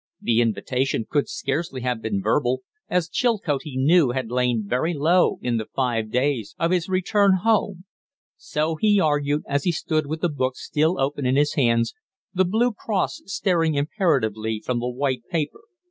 The invitation could scarcely have been verbal, as Chilcote, he knew, had lain very low in the five days of his return home. So he argued, as he stood with the book still open in his hands, the blue cross staring imperatively from the white paper.